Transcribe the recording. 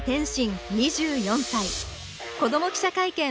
「子ども記者会見」